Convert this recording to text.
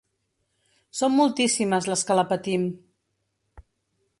Som moltíssimes les que la patim.